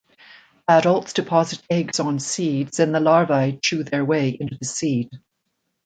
Adults deposit eggs on seeds, then the larvae chew their way into the seed.